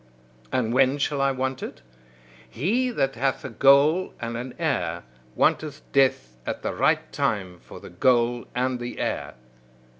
And when shall I want it? He that hath a goal and an heir, wanteth death at the right time for the goal and the heir.